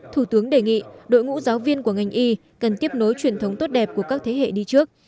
thủ tướng đề nghị đội ngũ giáo viên của ngành y cần tiếp nối truyền thống tốt đẹp của các thế hệ đi trước